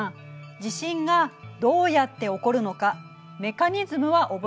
地震がどうやって起こるのかメカニズムは覚えてる？